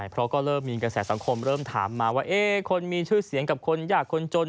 เพราะก็เริ่มมีกระแสสังคมเริ่มถามมาว่าคนมีชื่อเสียงกับคนยากคนจน